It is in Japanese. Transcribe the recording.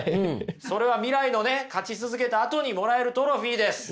それは未来のね勝ち続けたあとにもらえるトロフィーです。